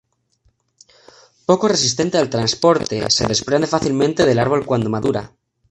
Poco resistente al transporte, se desprende fácilmente del árbol cuando madura.